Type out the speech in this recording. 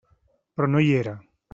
Però no hi era.